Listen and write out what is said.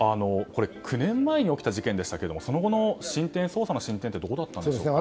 ９年前に起きた事件ですがその後の捜査の進展はどうだったんでしょうか。